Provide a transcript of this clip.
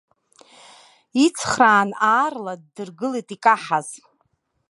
Ицхраан аарла ддыргылеит икаҳаз.